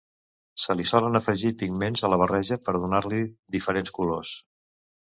Se li solen afegir pigments a la barreja per donar-li diferents colors.